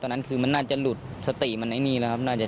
ตอนนั้นคือมันน่าจะหลุดสติมันไอนี่แล้วครับ